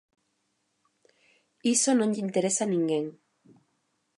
Iso non lle interesa a ninguén.